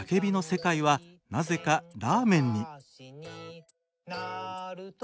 世界はなぜかラーメンに。